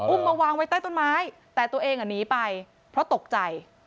มาวางไว้ใต้ต้นไม้แต่ตัวเองหนีไปเพราะตกใจ